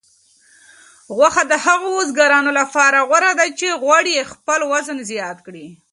غوښه د هغو ورزشکارانو لپاره غوره ده چې غواړي خپل وزن زیات کړي.